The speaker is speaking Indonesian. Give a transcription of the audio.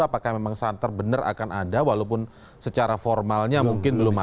apakah memang santer benar akan ada walaupun secara formalnya mungkin belum ada